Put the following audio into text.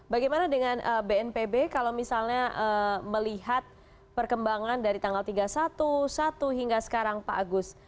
bagaimana dengan bnpb kalau misalnya melihat perkembangan dari tanggal tiga puluh satu satu hingga sekarang pak agus